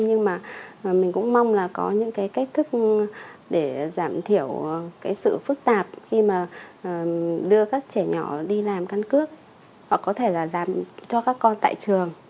nhưng mình cũng mong có những cách thức để giảm thiểu sự phức tạp khi đưa các trẻ nhỏ đi làm căn cước